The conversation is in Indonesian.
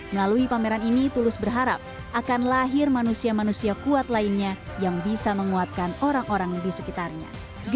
melalui pameran ini tulus berharap akan lahir manusia manusia kuat lainnya yang bisa menguatkan orang orang di sekitarnya